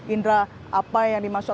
indra apa yang dimaksud